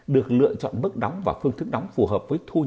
được lựa chọn mức đóng và phương thức đóng phù hợp với các hệ thống tự nguyện